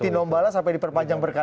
tinombala sampai diperpanjang berkata